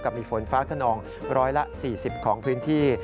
กับมีฝนฟ้ากระนองร้อยละ๔๐ของพื้นที่